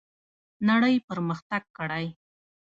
نړۍ پرمختګ کړی.